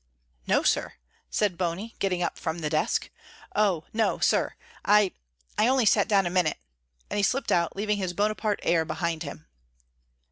"No, sir," said Bony, getting up from the desk; "oh, no, sir, I I only sat down a minute," and he slipped out, leaving his Bonaparte air behind him.